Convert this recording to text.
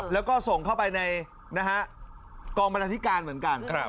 แล้วก็ส่งเข้าไปในกองบรรณาธิการเหมือนกัน